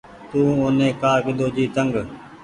تو اوني ڪآ ڪۮو جي تنگ۔